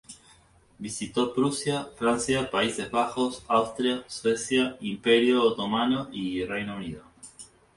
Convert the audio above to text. Visitó Prusia, Francia, Países Bajos, Austria, Suecia, Imperio Otomano y Reino Unido.